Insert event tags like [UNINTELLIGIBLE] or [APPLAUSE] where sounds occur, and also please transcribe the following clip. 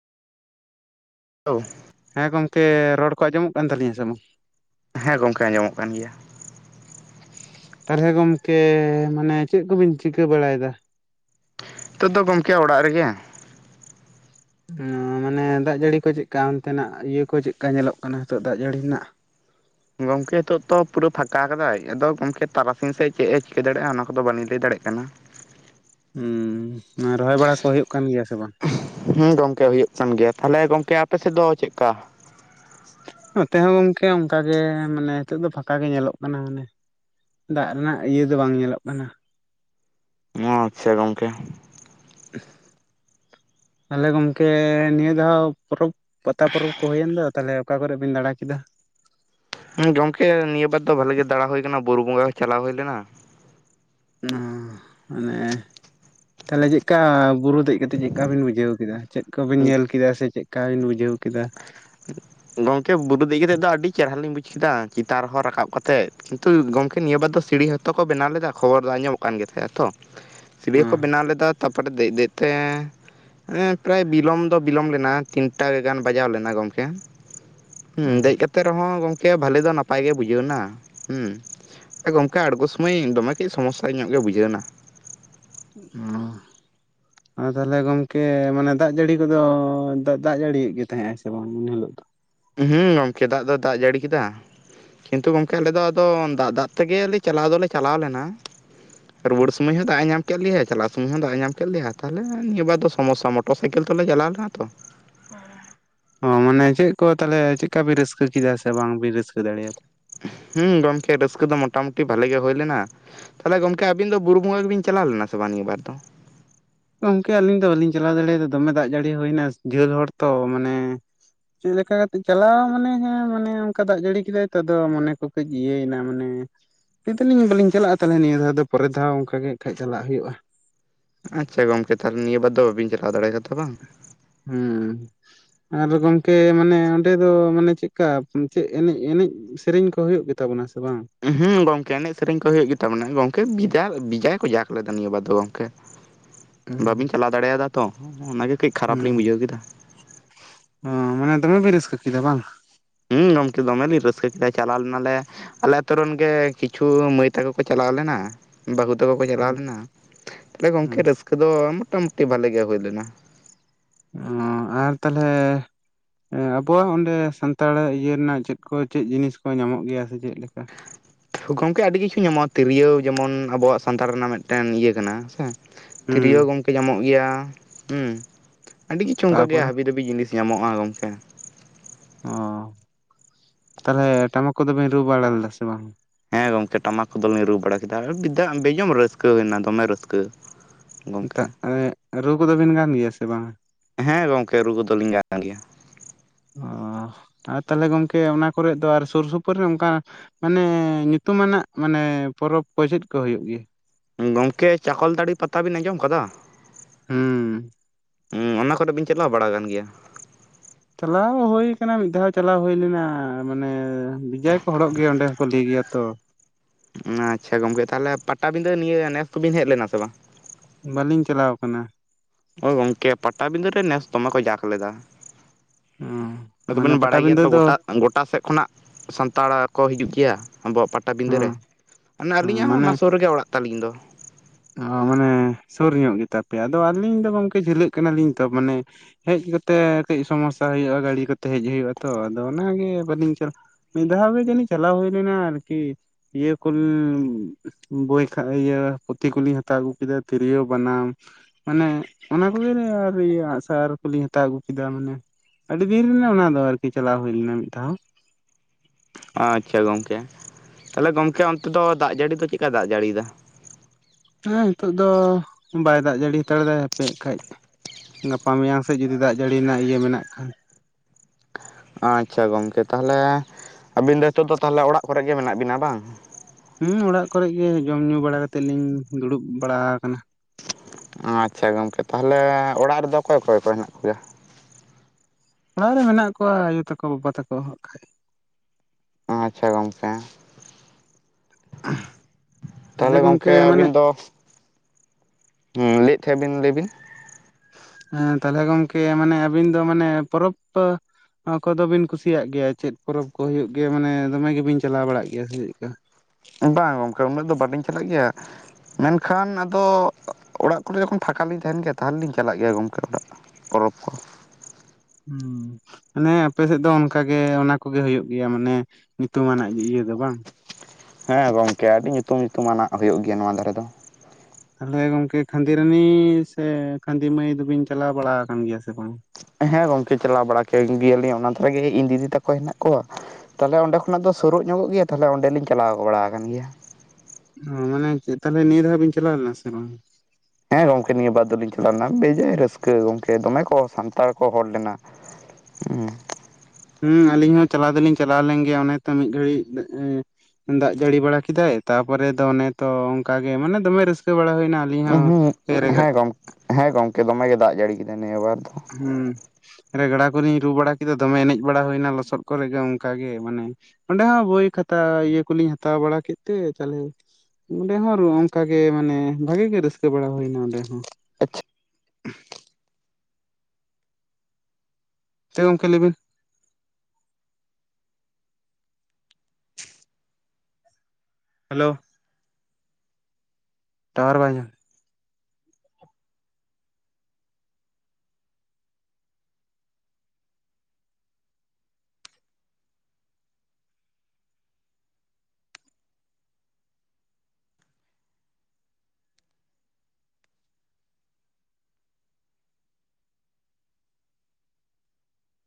ᱦᱮᱞᱞᱳ ᱦᱮᱸ ᱜᱚᱝᱠᱮ ᱨᱚᱲ ᱠᱚ ᱟᱡᱚᱢᱚᱜ ᱠᱟᱱ ᱛᱟᱞᱤᱧᱟ ᱥᱮ ᱵᱟᱝ᱾ ᱦᱮ ᱜᱚᱝᱠᱮ ᱟᱡᱚᱢᱚᱜ ᱠᱟᱱ ᱜᱮᱭᱟ᱾ ᱛᱟᱞᱦᱮ ᱜᱚᱢᱠᱮ ᱢᱟᱱᱮ ᱪᱮᱫ ᱠᱚᱵᱤᱱ ᱪᱤᱠᱟᱹ ᱵᱟᱲᱟᱭᱮᱫᱟ? ᱛᱚᱜ ᱫᱚ ᱜᱚᱢᱠᱮ ᱚᱲᱟᱜ ᱨᱮᱜᱤ ᱢᱟᱱᱮ ᱫᱟᱜ ᱡᱟᱹᱲᱤ ᱠᱚ ᱪᱮᱫᱠᱟ ᱚᱱᱛᱮᱱᱟᱜ ᱤᱭᱟᱹ ᱠᱚ ᱪᱮᱫᱞᱮᱠᱟ ᱧᱮᱞᱚᱜ ᱠᱟᱱᱟ ᱱᱤᱛᱚᱜ ᱫᱟᱜ ᱡᱟᱹᱲᱤ ᱨᱮᱱᱟᱜ᱾ ᱜᱚᱝᱠᱮ ᱱᱤᱛᱚᱜ ᱛᱚ ᱯᱩᱨᱟᱹ ᱯᱦᱟᱠᱟ ᱠᱟᱫᱟᱭ ᱟᱫᱚ ᱜᱚᱢᱠᱮ ᱛᱟᱨᱟᱥᱤᱧ ᱥᱮᱫ ᱪᱮᱫ ᱮ ᱪᱤᱠᱟᱹ ᱫᱟᱲᱮᱭᱟᱜᱼᱟ ᱚᱱᱟ ᱠᱚᱫᱚ ᱵᱟᱝ ᱞᱤᱧ ᱞᱟᱹᱭ ᱫᱟᱲᱮᱭᱟᱜ ᱠᱟᱱᱟ ᱾ ᱦᱩᱸ ᱨᱚᱦᱚᱭ ᱵᱟᱲᱟ ᱠᱚ ᱦᱳᱭᱳᱜ ᱠᱟᱱ ᱜᱮᱭᱟ ᱥᱮ ᱵᱟᱝ ᱦᱩᱸ ᱜᱚᱝᱠᱮ ᱦᱩᱭᱩᱜ ᱠᱟᱱ ᱜᱮᱭᱟ ᱛᱟᱦᱞᱮ ᱜᱚᱝᱠᱮ ᱟᱯᱮᱥᱮᱫ ᱫᱚ ᱪᱮᱫᱞᱮᱠᱟ ᱾ ᱱᱚᱛᱮ ᱦᱚᱸ ᱜᱚᱝᱠᱮ ᱚᱱᱠᱟᱜ ᱜᱮ ᱢᱟᱱᱮ ᱱᱤᱛᱚᱜ ᱫᱚ ᱯᱷᱟᱸᱠᱟ ᱜᱮ ᱧᱮᱞᱚᱜ ᱠᱟᱱᱟ ᱢᱟᱱᱮ ᱫᱟᱜ ᱨᱮᱱᱟᱜ ᱤᱭᱟᱹ ᱫᱚ ᱵᱟᱝ ᱧᱮᱞᱚᱜ ᱠᱟᱱᱟ᱾ ᱟᱪᱪᱷᱟ ᱜᱚᱢᱠᱮ ᱛᱟᱦᱞᱮ ᱜᱚᱝᱠᱮ ᱱᱤᱭᱟᱹ ᱫᱷᱟᱣ ᱯᱚᱨᱚᱵᱽ ᱯᱟᱛᱟ ᱯᱚᱨᱚᱵᱽ ᱠᱚ ᱦᱳᱭᱮᱱ ᱫᱚ, ᱛᱟᱦᱞᱮ ᱚᱠᱟ ᱠᱚᱨᱮ ᱵᱤᱱ ᱫᱟᱬᱟ ᱠᱮᱫᱟ? ᱦᱮᱸ ᱜᱚᱝᱠᱮ ᱱᱤᱭᱟᱹ ᱵᱟᱨ ᱫᱚ ᱵᱷᱟᱞᱮ ᱜᱮ ᱫᱟᱬᱟ ᱦᱳᱭ ᱠᱟᱱᱟ᱾ ᱵᱩᱨᱩ ᱵᱚᱸᱜᱟ ᱦᱚᱸ ᱪᱟᱞᱟᱣ ᱦᱳᱭ ᱞᱮᱱᱟ᱾ [UNINTELLIGIBLE] ᱛᱟᱦᱞᱮ ᱪᱮᱫᱠᱟ ᱵᱩᱨᱩ ᱫᱮᱡ ᱠᱟᱛᱮᱜ ᱪᱮᱫᱠᱟ ᱵᱤᱱ ᱵᱩᱡᱷᱟᱹᱣ ᱠᱮᱫᱟ? ᱪᱮᱫ ᱠᱚᱵᱤᱱ ᱧᱮᱞ ᱠᱮᱫᱟ ᱥᱮ ᱪᱮᱫ? ᱠᱟᱣ ᱵᱩᱡᱷᱟᱹᱣ ᱠᱮᱫᱟ ᱜᱚᱝᱠᱮ ᱵᱩᱨᱩ ᱫᱮᱡ ᱠᱟᱛᱮᱫ ᱫᱚ ᱟᱹᱰᱤ ᱪᱮᱦᱨᱟ ᱞᱤᱧ ᱵᱩᱡ ᱠᱮᱫᱟ, ᱪᱮᱛᱟᱱ ᱨᱮᱦᱚᱸ ᱨᱟᱠᱟᱵ ᱠᱟᱛᱮᱫ᱾ ᱠᱤᱱᱛᱩ ᱜᱚᱢᱠᱮ ᱱᱤᱭᱟᱹ ᱵᱟᱨ ᱫᱚ ᱥᱤᱲᱤ ᱦᱚᱸᱛᱚ ᱠᱚ ᱵᱮᱱᱟᱣ ᱞᱮᱫᱟ ᱠᱷᱚᱵᱚᱨ ᱫᱚ ᱟᱸᱡᱚᱢᱚᱜ ᱠᱟᱱ ᱜᱮ ᱛᱟᱦᱮᱸᱜᱼᱟ ᱛᱚ᱾ ᱥᱤᱲᱤ ᱦᱚᱸᱠᱚ ᱦᱮᱸ ᱵᱮᱱᱟᱣ ᱞᱮᱫᱟ ᱛᱟᱨᱯᱚᱨᱮ ᱫᱮᱡ ᱫᱮᱡ ᱛᱮ ᱮᱸ ᱯᱨᱟᱭ ᱵᱤᱞᱚᱢ ᱫᱚ ᱵᱤᱞᱚᱢ ᱞᱮᱱᱟ ᱛᱤᱱᱴᱟ ᱜᱟᱱ ᱵᱟᱡᱟᱣ ᱞᱮᱱᱟ ᱜᱚᱢᱠᱮ ᱦᱮᱸ ᱫᱮᱡ ᱠᱟᱛᱮ ᱨᱮᱦᱚᱸ ᱜᱚᱢᱠᱮ ᱵᱷᱟᱹᱞᱤ ᱫᱚ ᱱᱟᱯᱟᱭ ᱜᱮ ᱵᱩᱡᱷᱟᱹᱣ ᱞᱮᱱᱟ ᱜᱚᱢᱠᱮ ᱟᱬᱜᱚ ᱥᱚᱢᱚᱭ ᱫᱚᱢᱮ ᱠᱟᱹᱡ ᱥᱚᱢᱚᱥᱥᱟ ᱧᱚᱜ ᱜᱮ ᱵᱩᱡᱷᱟᱹᱣᱱᱟ ᱚ ᱟᱫᱚ ᱛᱟᱦᱞᱮ ᱜᱚᱝᱠᱮ ᱢᱟᱱᱮ ᱫᱟᱜ ᱡᱟᱹᱲᱤ ᱠᱚᱫᱚ ᱫᱟᱜ ᱡᱟᱹᱲᱤᱭᱮᱜ ᱜᱮ ᱛᱟᱦᱮᱸᱜ ᱟᱭ ᱥᱮ ᱵᱟᱝ ᱩᱱ ᱦᱤᱞᱳᱜ ᱫᱚ? ᱦᱩᱸ ᱜᱚᱢᱠᱮ ᱫᱟᱜ ᱫᱚ ᱫᱟᱜ ᱡᱟᱹᱲᱤ ᱠᱮᱫᱟ᱾ ᱠᱤᱱᱛᱩ ᱜᱚᱢᱠᱮ ᱟᱞᱮ ᱫᱚ ᱟᱫᱚ ᱫᱟᱜ ᱫᱟᱜ ᱛᱮᱜᱮ ᱪᱟᱞᱟᱣ ᱫᱚᱞᱮ ᱪᱟᱞᱟᱣ ᱞᱮᱱᱟ ᱨᱩᱣᱟᱹᱲ ᱥᱚᱢᱚᱭ ᱦᱚᱸ ᱫᱟᱜ ᱮ ᱧᱟᱢ ᱠᱮᱫ ᱞᱮᱭᱟᱭ ᱪᱟᱞᱟᱜ ᱥᱩᱢᱚᱭ ᱦᱚᱸ ᱫᱟᱜ ᱮ ᱧᱟᱢ ᱠᱮᱫ ᱞᱮᱭᱟ ᱛᱟᱦᱚᱞ ᱱᱤᱭᱟᱹ ᱵᱟᱨ ᱫᱚ ᱥᱚᱢᱥᱥᱟ ᱢᱚᱴᱚᱨ ᱥᱟᱭᱠᱮᱞ ᱛᱮᱞᱮ ᱪᱟᱞᱟᱣ ᱞᱮᱱᱟ ᱛᱚ᱾ ᱚ ᱢᱟᱱᱮ ᱪᱮᱫ ᱠᱚ ᱛᱟᱦᱞᱮ ᱪᱮᱫᱠᱟ ᱵᱤᱱ ᱨᱟᱹᱥᱠᱟᱹ ᱠᱮᱫᱟ ᱥᱮ ᱵᱟᱝᱵᱤᱱ ᱨᱟᱹᱥᱠᱟᱹ ᱫᱟᱲᱮᱭᱟᱫᱟ ᱦᱮᱸ ᱜᱚᱢᱠᱮ ᱨᱟᱹᱥᱠᱟᱹ ᱫᱚ ᱢᱚᱴᱟᱢᱩᱴᱤ ᱵᱷᱟᱞᱮ ᱜᱮ ᱦᱳᱭ ᱞᱮᱱᱟ ᱛᱟᱦᱞᱮ ᱜᱚᱢᱠᱮ ᱟᱺᱵᱤᱱ ᱫᱚ ᱵᱩᱨᱩ ᱵᱚᱸᱜᱟ ᱫᱚ ᱵᱤᱱ ᱪᱟᱞᱟᱣ ᱞᱮᱱᱟ ᱥᱮ ᱵᱟᱝ ᱱᱤᱭᱟᱹ ᱵᱟᱨ ᱫᱚ? ᱜᱚᱝᱠᱮ ᱟᱹᱞᱤᱧ ᱫᱚ ᱵᱟᱹᱞᱤᱧ ᱪᱟᱞᱟᱣ ᱫᱟᱲᱮᱭᱟᱫᱟ ᱫᱚᱢᱮ ᱫᱟᱜ ᱡᱟᱹᱲᱤ ᱦᱳᱭᱱᱟ ᱡᱷᱟᱹᱞ ᱦᱚᱲ ᱛᱚ ᱢᱟᱱᱮ ᱪᱮᱫ ᱞᱮᱠᱟ ᱠᱟᱛᱮᱜ ᱪᱟᱞᱟᱣ ᱢᱟᱱᱮ ᱦᱮᱸ ᱢᱟᱱᱮ ᱚᱱᱠᱟ ᱫᱟᱜ ᱡᱟᱹᱲᱤ ᱠᱮᱫᱟᱭ ᱛᱫᱚ ᱢᱚᱱᱮ ᱠᱚ ᱠᱟᱹᱡ ᱤᱭᱟᱹᱭᱱᱟ ᱢᱟᱱᱮ ᱞᱟᱹᱭ ᱫᱟᱞᱤᱧ ᱵᱟᱞᱤᱧ ᱪᱟᱞᱟᱜᱼᱟ ᱛᱟᱦᱚᱞᱮ ᱱᱤᱭᱟᱹ ᱫᱷᱟᱣ ᱫᱚ ᱯᱚᱨᱮ ᱫᱷᱟᱣ ᱚᱱᱠᱟ ᱜᱮ ᱠᱷᱟᱡ ᱪᱟᱞᱟᱜ ᱦᱳᱭᱳᱜᱼᱟ᱾ ᱟᱪᱪᱷᱟ ᱜᱚᱢᱠᱮ ᱛᱟᱦᱞᱮ ᱱᱤᱭᱟᱹ ᱵᱟᱨ ᱫᱚ ᱵᱟᱵᱤᱱ ᱪᱟᱞᱟᱣ ᱫᱟᱲᱮ ᱠᱟᱫᱟ ᱵᱟᱝ ᱦᱩᱸ ᱟᱫᱚ ᱜᱚᱝᱠᱮ ᱢᱟᱱᱮ ᱚᱸᱰᱮ ᱫᱚ ᱢᱟᱱᱮ ᱪᱮᱫᱠᱟ ᱪᱮᱫ ᱮᱱᱮᱡ ᱮᱱᱮᱡ ᱥᱮᱨᱮᱧ ᱠᱚ ᱦᱳᱭᱳᱜ ᱜᱮᱛᱟᱵᱚᱱᱟ ᱥᱮ ᱵᱟᱝ? ᱦᱩᱸ ᱜᱚᱢᱠᱮ ᱮᱱᱮᱡ ᱥᱮᱨᱮᱧ ᱠᱚ ᱦᱳᱭᱳᱜ ᱜᱮᱛᱟᱵᱚᱱᱟ ᱜᱚᱝᱠᱮ ᱵᱮᱡᱟᱭ ᱠᱚ ᱡᱟᱠ ᱞᱮᱫᱟ ᱱᱤᱭᱟᱹ ᱵᱷᱟᱨ ᱫᱚ ᱜᱚᱝᱠᱮ [INAUDIBLE] ᱵᱟᱹᱵᱤᱱ ᱦᱩᱸ ᱪᱟᱞᱟᱣ ᱫᱟᱲᱮᱭᱟᱫᱟ ᱛᱚ ᱚᱱᱟᱜᱮ ᱠᱟᱹᱡ ᱠᱷᱟᱨᱟᱯ ᱞᱤᱧ ᱵᱩᱡᱷᱟᱹᱣ ᱠᱮᱫᱟ ᱚ ᱢᱟᱱᱮ ᱫᱚᱢᱮ ᱵᱮᱱ ᱨᱟᱹᱥᱠᱟᱹ ᱠᱮᱫᱟ ᱵᱟᱝ? ᱦᱩᱸ ᱜᱚᱢᱠᱮ ᱫᱚᱢᱮ ᱞᱤᱧ ᱨᱟᱹᱥᱠᱟᱹ ᱠᱮᱫᱟ ᱪᱟᱞᱟᱣ ᱞᱮᱱᱟᱞᱮ᱾ ᱟᱞᱮ ᱟᱛᱳ ᱨᱮᱱ ᱜᱮ ᱠᱤᱪᱷᱩ ᱢᱟᱹᱭ ᱛᱟᱠᱚ ᱠᱚ ᱪᱟᱞᱟᱣ ᱞᱮᱱᱟ᱾ ᱵᱟᱹᱦᱩ ᱛᱟᱠᱚ ᱠᱚ ᱪᱟᱞᱟᱣ ᱞᱮᱱᱟ, ᱛᱟᱦᱞᱮ ᱜᱚᱝᱠᱮ ᱦᱩᱸ ᱨᱟᱹᱥᱠᱟᱹ ᱫᱚ ᱢᱚᱴᱟ ᱢᱩᱴᱤ ᱵᱷᱟᱞᱮ ᱜᱮ ᱦᱳᱭ ᱞᱮᱱᱟ᱾ ᱚ ᱟᱨ ᱛᱟᱦᱞᱮ ᱟᱵᱚᱣᱟᱜ ᱚᱸᱰᱮ ᱥᱟᱱᱛᱟᱲ ᱤᱭᱟᱹ ᱨᱮᱱᱟᱜ ᱪᱮᱫ ᱠᱚ ᱪᱮᱫ ᱡᱤᱱᱤᱥ ᱠᱚ ᱧᱟᱢᱚᱜ ᱜᱮᱭᱟ ᱥᱮ ᱪᱮᱫ ᱞᱮᱠᱟ ᱜᱚᱝᱠᱮ ᱟᱹᱰᱤ ᱠᱤᱪᱷᱩ ᱧᱟᱢᱚᱜᱼᱟ ᱛᱤᱨᱭᱳᱣ ᱡᱮᱢᱚᱱ ᱟᱵᱚᱣᱟᱜ ᱥᱟᱱᱛᱟᱲ ᱨᱮᱱᱟᱜ ᱢᱤᱫᱴᱮᱱ ᱤᱭᱟᱹ ᱠᱟᱱᱟ ᱦᱮᱸ ᱥᱮ ᱛᱤᱨᱭᱳ ᱦᱩᱸ ᱜᱚᱝᱠᱮ ᱧᱟᱢᱚᱜ ᱜᱮᱭᱟ ᱦᱩᱸ ᱟᱹᱰᱤ ᱠᱤᱪᱷᱩ ᱚᱱᱠᱟ ᱜᱮ ᱛᱟᱯᱚᱨᱮ ᱦᱟᱹᱵᱤᱡ ᱫᱷᱟᱹᱵᱤ ᱡᱤᱱᱤᱥ ᱧᱟᱢᱚᱜᱼᱟ ᱜᱚᱢᱠᱮ ᱚ ᱛᱟᱦᱚᱞᱮ ᱴᱟᱢᱟᱠ ᱠᱚᱫᱚ ᱵᱤᱱ ᱨᱩ ᱵᱟᱲᱟ ᱞᱮᱫᱟ ᱥᱮ ᱵᱟᱝ? ᱦᱮᱸ ᱜᱚᱝᱠᱮ ᱴᱟᱢᱟᱠ ᱠᱚᱫᱚ ᱞᱤᱧ ᱨᱩ ᱵᱟᱲᱟ ᱠᱮᱫᱟ ᱟᱹᱰᱤ ᱵᱮᱡᱚᱢ ᱨᱟᱹᱥᱠᱟᱹ ᱦᱳᱭᱱᱟ ᱫᱚᱢᱮ ᱨᱟᱹᱥᱠᱟᱹ᱾ ᱜᱚᱢᱠᱮ ᱱᱮᱛᱟᱜ ᱨᱩ ᱠᱚᱫᱚᱵᱤᱱ ᱜᱟᱱ ᱜᱮᱭᱟ ᱥᱮ ᱵᱟᱝᱟ? ᱦᱮᱸ ᱜᱚᱝᱠᱮ ᱨᱩ ᱠᱚᱫᱚ ᱞᱤᱧ ᱜᱟᱱ ᱜᱮᱭᱟ᱾ ᱚ ᱟᱨ ᱛᱟᱦᱚᱞᱮ ᱜᱚᱝᱠᱮ ᱚᱱᱟ ᱠᱚᱨᱮᱜ ᱫᱚ ᱟᱨ ᱥᱩᱨ ᱥᱩᱯᱩᱨ ᱨᱮ ᱚᱱᱠᱟ ᱢᱟᱱᱮ ᱧᱩᱛᱩᱢ ᱟᱱᱟᱜ ᱢᱟᱱᱮ ᱯᱚᱨᱚᱵᱽ ᱠᱚ ᱪᱮᱫ ᱠᱚ ᱦᱩᱭᱩᱜ ᱜᱮᱭᱟ ᱜᱚᱢᱠᱮ ᱪᱟᱠᱚᱞᱛᱟᱲᱤ ᱯᱟᱛᱟ ᱵᱤᱱ ᱟᱸᱡᱚᱢ ᱠᱟᱫᱟ ᱦᱩᱸ ᱦᱩᱸ ᱚᱱᱟ ᱠᱚᱨᱮ ᱵᱤᱱ ᱪᱟᱞᱟᱣ ᱵᱟᱲᱟ ᱟᱠᱟᱱ ᱜᱮᱭᱟ ᱪᱟᱞᱟᱣ ᱦᱳᱭ ᱠᱟᱱᱟ ᱢᱤᱫ ᱫᱷᱟᱣ ᱪᱟᱞᱟᱣ ᱦᱩᱭ ᱞᱮᱱᱟ ᱢᱟᱱᱮ ᱵᱤᱡᱟᱭ ᱠᱚ ᱦᱚᱲᱼᱚᱜ ᱜᱮᱭᱟ ᱚᱸᱰᱮ ᱦᱚᱸᱠᱚ ᱞᱟᱹᱭ ᱜᱮᱭᱟ ᱛᱚ ᱟᱪᱪᱷᱟ ᱜᱚᱢᱠᱮ ᱛᱟᱞᱦᱮ ᱯᱟᱴᱟᱵᱤᱸᱫᱟᱹ ᱱᱤᱭᱟᱹ ᱱᱮᱥ ᱛᱚᱵᱤᱱ ᱦᱮᱡ ᱞᱮᱱᱟ ᱥᱮ ᱵᱟᱝ ᱵᱟᱹᱞᱤᱧ ᱪᱟᱞᱟᱣ ᱠᱟᱱᱟ ᱦᱚᱭ ᱜᱚᱢᱠᱮ ᱯᱟᱴᱟᱵᱤᱸᱫᱷᱟᱹ ᱨᱮ ᱱᱮᱥ ᱫᱚᱢᱮ ᱠᱚ ᱡᱟᱸᱠ ᱞᱮᱫᱟ ᱚᱸ ᱟᱫᱚ ᱢᱟᱱᱮ ᱵᱮᱱ ᱵᱟᱲᱟᱭ ᱜᱮᱭᱟ ᱯᱟᱴᱟᱵᱤᱸᱫᱟᱹ ᱛᱚ ᱫᱚ ᱜᱚᱴᱟ ᱜᱚᱴᱟ ᱥᱮᱫ ᱠᱷᱚᱱᱟᱜ ᱥᱟᱱᱛᱟᱲ ᱠᱚ ᱦᱤᱡᱩᱜ ᱜᱤᱭᱟ ᱟᱵᱚᱣᱟᱜ ᱯᱟᱴᱟᱵᱤᱸᱫᱟᱹ ᱦᱚᱸ ᱨᱮ ᱢᱟᱱᱮ ᱟᱹᱞᱤᱧᱼᱟᱜ ᱦᱚᱸ ᱚᱱᱟ ᱥᱳᱨ ᱨᱮᱜᱮ ᱚᱲᱟᱜ ᱛᱟᱹᱞᱤᱧ ᱫᱚ ᱚ ᱢᱟᱱᱮ ᱥᱩᱨ ᱧᱚᱜ ᱜᱮᱛᱟ ᱯᱮᱭᱟ ᱟᱫᱚ ᱟᱹᱞᱤᱧ ᱫᱚ ᱜᱚᱢᱠᱮ ᱡᱷᱟᱹᱞᱟᱹᱜ ᱠᱟᱱᱟᱞᱤᱧ ᱛᱚ ᱢᱟᱱᱮ ᱦᱮᱡ ᱠᱚᱛᱮ ᱠᱟᱹᱡ ᱥᱚᱢᱚᱥᱥᱟ ᱦᱩᱭᱩᱜᱼᱟ ᱜᱟᱹᱲᱤ ᱠᱚᱛᱮ ᱦᱮᱡ ᱦᱩᱭᱩᱜᱼᱟ ᱛᱚ ᱟᱫᱚ ᱚᱱᱟᱜᱮ ᱵᱟᱹᱞᱤᱧ ᱪᱟᱞᱟᱜ ᱢᱤᱫ ᱫᱷᱟᱶ ᱜᱮ ᱡᱟᱹᱱᱤᱡ ᱪᱟᱞᱟᱣ ᱦᱩᱭ ᱞᱮᱱᱟ ᱟᱨᱠᱤ ᱤᱭᱟᱹ ᱠᱚ ᱵᱳᱭ ᱠᱷᱟ ᱤᱭᱟᱹ ᱫᱷᱩᱛᱤ ᱠᱚ ᱞᱤᱧ ᱦᱟᱛᱟᱣ ᱟᱹᱜᱩ ᱠᱮᱫᱟ ᱛᱤᱨᱭᱳ ᱵᱟᱱᱟᱢ ᱢᱟᱱᱮ ᱚᱱᱟ ᱠᱚᱜᱮ ᱟᱨ ᱤᱭᱟᱹ ᱟᱸᱜᱼᱥᱟᱨ ᱠᱚ ᱞᱤᱧ ᱦᱟᱛᱟᱣ ᱟᱹᱜᱩ ᱠᱮᱫᱟ ᱢᱟᱱᱮ ᱟᱹᱰᱤ ᱫᱤᱱ ᱨᱮᱱᱟᱜ ᱚᱱᱟ ᱫᱚ ᱟᱨᱠᱤ ᱪᱟᱞᱟᱣ ᱦᱩᱭ ᱞᱮᱱᱟ ᱢᱤᱫ ᱫᱷᱟᱣ ᱟᱪᱪᱷᱟ ᱜᱚᱢᱠᱮ ᱛᱟᱞᱦᱮ ᱜᱚᱢᱠᱮ ᱚᱱᱛᱮ ᱫᱚ ᱫᱟᱜ ᱡᱟᱹᱲᱤ ᱫᱚ ᱪᱮᱫ ᱞᱠᱟᱭ ᱫᱟᱜ ᱡᱟᱹᱲᱤᱭᱫᱟ ᱦᱮᱸ ᱦᱤᱛᱚᱜ ᱫᱚ ᱵᱟᱭ ᱫᱟᱜ ᱡᱟᱹᱲᱤ ᱦᱟᱛᱟᱲ ᱫᱟᱭ ᱦᱟᱯᱮ ᱦᱟᱜ ᱠᱷᱟᱡ ᱜᱟᱯᱟ ᱢᱮᱭᱟᱝ ᱥᱮᱡ ᱡᱩᱫᱤ ᱫᱟᱜ ᱡᱟᱹᱲᱤ ᱨᱮᱱᱟᱜ ᱤᱭᱟᱹ ᱢᱮᱱᱟᱜ ᱠᱷᱟᱱ ᱟᱪᱪᱷᱟ ᱜᱚᱢᱠᱮ ᱛᱟᱦᱞᱮ ᱟᱵᱤᱱ ᱫᱚ ᱱᱤᱛᱚᱜ ᱫᱚ ᱛᱟᱦᱞᱮ ᱚᱲᱟᱜ ᱠᱚᱨᱮᱜ ᱜᱮ ᱢᱮᱱᱟᱜ ᱵᱤᱱᱟ ᱵᱟᱝ ᱦᱩᱸ ᱚᱲᱟᱜ ᱠᱚᱨᱮᱜ ᱜᱮ ᱡᱚᱢ ᱧᱩ ᱵᱟᱲᱟ ᱠᱟᱛᱮᱫ ᱞᱤᱧ ᱫᱩᱲᱩᱵ ᱵᱟᱲᱟ ᱟᱠᱟᱱᱟ ᱟᱪᱪᱷᱟ ᱜᱚᱢᱠᱮ ᱛᱟᱦᱞᱮ ᱚᱲᱟᱜ ᱨᱮᱫᱚ ᱚᱠᱚᱭ ᱚᱠᱚᱭ ᱠᱚ ᱦᱮᱱᱟᱜ ᱠᱚ ᱜᱮᱭᱟ ᱚᱲᱟᱜ ᱨᱮ ᱢᱮᱱᱟᱜ ᱠᱚᱣᱟ ᱟᱭᱳ ᱛᱟᱠᱚ ᱵᱟᱵᱟ ᱛᱟᱠᱚ ᱦᱟᱸᱜ ᱠᱷᱟᱡ ᱟᱪᱪᱷᱟ ᱜᱚᱢᱠᱮ ᱛᱟᱦᱚᱞᱮ ᱜᱚᱢᱠᱮ ᱟᱹᱵᱤᱱ ᱫᱚ ᱦᱩᱸ ᱞᱟᱹᱭ ᱮᱫ ᱛᱟᱦᱮᱫ ᱵᱤᱱ ᱞᱟᱹᱭ ᱵᱤᱱ ᱦᱮᱸ ᱛᱟᱦᱞᱮ ᱜᱚᱝᱠᱮ ᱢᱟᱱᱮ ᱟᱹᱵᱤᱱ ᱫᱚ ᱢᱟᱱᱮ ᱯᱚᱨᱚᱵᱽ ᱛᱚ, ᱱᱚᱣᱟ ᱠᱚᱫᱚ ᱵᱤᱱ ᱠᱩᱥᱤᱭᱟᱜ ᱜᱮᱭᱟ ᱪᱮᱫ ᱯᱚᱨᱚᱵᱽ ᱠᱚ ᱦᱩᱭᱩᱜ ᱜᱮᱭᱟ ᱢᱟᱱᱮ ᱫᱚᱢᱮ ᱜᱮᱵᱤᱱ ᱪᱟᱞᱟᱣ ᱵᱟᱲᱟᱜ ᱜᱮᱭᱟ ᱥᱮ ᱪᱮᱫᱠᱟ ᱵᱟᱝ ᱜᱚᱢᱠᱮ ᱩᱱᱟᱹᱜ ᱫᱚ ᱵᱟᱹᱞᱤᱧ ᱪᱟᱞᱟᱜ ᱜᱮᱭᱟ ᱢᱮᱱᱠᱷᱟᱱ ᱟᱫᱚ ᱚᱲᱟᱜ ᱠᱚᱨᱮ ᱡᱚᱠᱷᱚᱱ ᱯᱷᱟᱸᱠᱟᱞᱤᱧ ᱛᱟᱦᱮᱱ ᱜᱮᱭᱟ ᱛᱟᱦᱞᱮ ᱞᱤᱧ ᱪᱟᱞᱟᱜ ᱜᱮᱭᱟ ᱜᱚᱢᱠᱮ ᱯᱚᱨᱚᱵᱽ ᱠᱚ ᱦᱩᱸ ᱢᱟᱱᱮ ᱟᱯᱮᱥᱮᱫ ᱫᱚ ᱚᱱᱠᱟ ᱜᱮ ᱚᱱᱟ ᱠᱚᱜᱮ ᱦᱩᱭᱩᱜ ᱜᱮᱭᱟ ᱢᱟᱱᱮ ᱧᱩᱛᱩᱢᱟᱱᱟᱜ ᱤᱭᱟᱹ ᱫᱚ ᱵᱟᱝ ᱦᱮᱸ ᱜᱚᱝᱠᱮ ᱟᱹᱰᱤ ᱧᱩᱛᱩᱢ ᱧᱩᱛᱩᱢ ᱟᱱᱟᱜ ᱦᱩᱭᱩᱜ ᱜᱮᱭᱟ ᱱᱚᱣᱟ ᱫᱷᱟᱨᱮ ᱫᱚ ᱛᱟᱦᱚᱞᱮ ᱜᱚᱝᱠᱮ ᱠᱷᱟᱱᱫᱤ ᱨᱟᱱᱤ ᱥᱮ ᱠᱷᱟᱹᱱᱫᱤ ᱢᱟᱹᱭ ᱫᱚᱵᱤᱱ ᱪᱟᱞᱟᱣ ᱵᱟᱲᱟ ᱟᱠᱟᱱ ᱜᱮᱭᱟ ᱥᱮ ᱵᱟᱝ ᱦᱮᱸ ᱜᱚᱝᱠᱮ ᱪᱟᱞᱟᱣ ᱵᱟᱲᱟ ᱠ ᱜᱮᱭᱟᱞᱤᱧ ᱚᱱᱟ ᱛᱷᱟᱨᱮ ᱤᱧ ᱫᱤᱫᱤ ᱛᱟᱠᱚ ᱦᱮᱱᱟᱜ ᱠᱚᱣᱟ ᱛᱟᱦᱚᱞᱮ ᱚᱸᱰᱮ ᱠᱷᱚᱱᱟᱜ ᱫᱚ ᱥᱩᱨᱩᱜ ᱧᱚᱜᱚᱜ ᱜᱮᱭᱟ ᱛᱟᱦᱮ ᱚᱸᱰᱮᱞᱤᱧ ᱪᱟᱞᱟᱣ ᱵᱟᱲᱟ ᱟᱠᱟᱱ ᱜᱮᱭᱟ ᱚ ᱢᱟᱱᱮ ᱛᱟᱦᱚᱞᱮ ᱱᱤᱭᱟᱹ ᱫᱷᱟᱟᱜ ᱵᱮᱤᱱ ᱪᱟᱞᱟᱣ ᱞᱮᱱᱟ ᱥᱮ ᱵᱟᱝ ᱦᱮᱸ ᱜᱚᱝᱠᱮ ᱱᱤᱭᱟᱹ ᱵᱟᱨ ᱫᱚᱞᱤᱧ ᱪᱟᱞᱟᱣ ᱞᱮᱱᱟ ᱵᱮᱡᱟᱭ ᱨᱟᱹᱥᱠᱟᱹ ᱜᱚᱢᱠᱮ ᱫᱚᱢᱮ ᱠᱚ ᱥᱟᱱᱛᱟᱲ ᱠᱚ ᱦᱚᱲ ᱞᱮᱱᱟ। ᱦᱩᱸ ᱦᱩᱸ ᱟᱞᱤᱧ ᱦᱚᱸ ᱪᱟᱞᱟᱣ ᱫᱚ ᱞᱤᱧ ᱪᱟᱞᱟᱣ ᱞᱮᱱ ᱜᱮᱭᱟ ᱚᱱᱮ ᱛᱚ ᱢᱤᱫ ᱜᱷᱟᱹᱲᱤᱡ ᱫᱟᱜ ᱡᱟᱹᱲᱤ ᱵᱟᱲᱟ ᱠᱮᱫᱟᱭ ᱛᱟᱯᱚᱨᱮ ᱫᱚ ᱚᱱᱮ ᱛᱚ ᱚᱱᱠᱟ ᱜᱮ ᱢᱟᱱᱮ ᱫᱚᱢᱮ ᱨᱟᱹᱥᱠᱟᱹ ᱵᱟᱲᱟ ᱦᱩᱭᱱᱟ ᱟᱹᱞᱤᱧ ᱦᱩ ᱦᱚᱸ ᱨᱮᱜᱟ ᱦᱮᱸ ᱦᱮᱸ ᱜᱚᱝᱠᱮ ᱫᱚᱢᱮ ᱜᱮ ᱫᱟᱜ ᱡᱟᱹᱲᱤ ᱠᱮᱫᱟ ᱱᱤᱭᱟᱹ ᱵᱟᱨ ᱫᱚ ᱦᱮᱸ ᱨᱮᱜᱽᱲᱟ ᱠᱚᱞᱤᱧ ᱨᱩ ᱵᱟᱲᱟ ᱠᱮᱫᱟ ᱫᱚᱢᱮ ᱮᱱᱮᱡ ᱵᱟᱲᱟ ᱦᱩᱭᱱᱟ ᱞᱚᱥᱚᱫ ᱠᱚᱨᱮ ᱜᱮ ᱚᱱᱠᱟ ᱜᱮ ᱢᱟᱱᱮ ᱚᱸᱰᱮ ᱦᱚᱸ ᱵᱳᱭ ᱠᱷᱟᱛᱟ ᱤᱭᱟᱹ ᱠᱚᱞᱤᱧ ᱦᱟᱛᱟᱣ ᱵᱟᱲᱟ ᱠᱮᱫ ᱛᱮ ᱛᱟᱦᱚᱞᱮ ᱚᱸᱰᱮ ᱦᱚᱸ ᱚᱱᱠᱟᱟᱜ ᱜᱮ ᱢᱟᱱᱮ ᱵᱷᱟᱜᱤ ᱜᱮ ᱨᱟᱹᱥᱠᱟᱹ ᱵᱟᱲᱟ ᱦᱩᱭᱱᱟ ᱚᱸᱰᱮ ᱦᱚᱸ ᱟᱪᱪᱷᱟ ᱛᱟᱹᱣ ᱜᱚᱢᱠᱮ ᱞᱟᱹᱭ ᱵᱤᱱ ᱦᱮᱞᱳ ᱴᱟᱣᱟᱨ ᱵᱟᱭ ᱧᱟᱢ